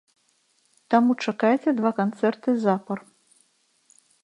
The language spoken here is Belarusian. Таму чакайце два канцэрты запар.